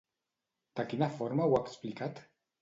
De quina forma ho ha explicat?